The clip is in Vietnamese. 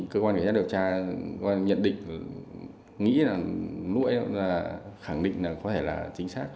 cơ quan điều tra nhận định nghĩ là nỗi khẳng định là có thể là chính xác